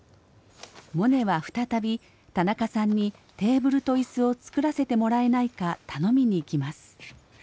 モネは再び田中さんにテーブルと椅子を作らせてもらえないか頼みに行きます。